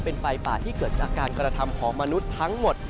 เป็นไฟป่าที่เกิดจากการกระทำของมนุษย์ทั้งหมด